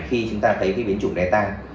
khi chúng ta thấy cái biến chủng đe tăng